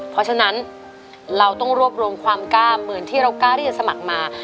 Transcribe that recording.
เพราะฉะนั้นเราต้องรวบรวมความกล้าเหมือนที่เรากล้าที่จะสมัครมา